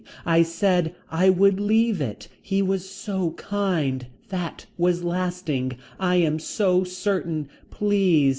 I said I would leave it. He was so kind. That was lasting. I am so certain. Please.